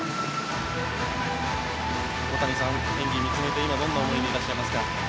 小谷さん、演技を見つめて今どんな思いでいらっしゃいますか。